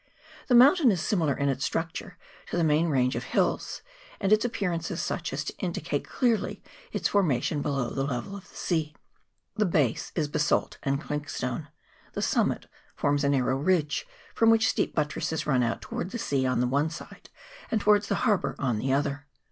The moun tain is similar in its structure to the main range of hills, and its appearance is such as to indicate clearly its formation below the level of the sea. The base is basalt and clinkstone ; the summit forms a narrow ridge, from which steep buttresses run out towards the sea on one side, and towards the harbour on the other.